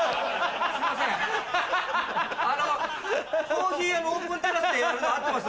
コーヒー屋のオープンテラスでやるの合ってます？